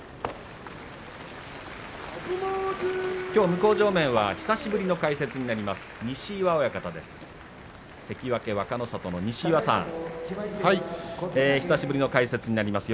きょう向正面は久しぶりの解説になります